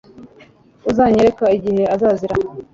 Uzanyereka igihe azazira